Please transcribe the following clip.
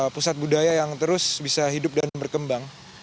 pusat budaya yang terus bisa hidup dan berkembang